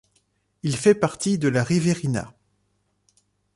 Il fait partie de la Riverina.